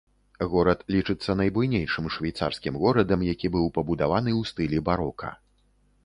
Горад лічыцца найбуйнейшым швейцарскім горадам, які быў пабудаваны ў стылі барока.